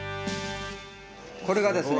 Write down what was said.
これがですね